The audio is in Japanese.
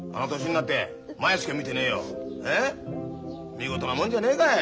見事なもんじゃねえかい。